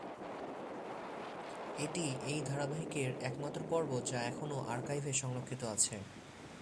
এটি এই ধারাবাহিকের একমাত্র পর্ব যা এখনও আর্কাইভে সংরক্ষিত আছে।